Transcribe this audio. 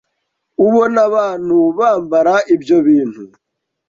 ubona abantu Bambara ibyo bintu